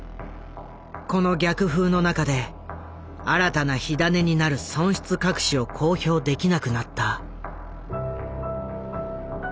この逆風の中で新たな火種になる損失隠しを公表できなくなった。